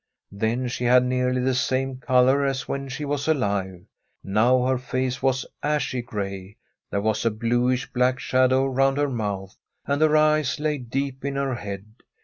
Then she had nearly the same colour as when she was alive ; now her face was ashy gray, there was a bluish black shadow round her mouth, and her eyes lay deep in her head.